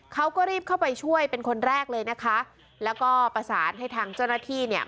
เขาก็รีบเข้าไปช่วยเป็นคนแรกเลยนะคะแล้วก็ประสานให้ทางเจ้าหน้าที่เนี่ย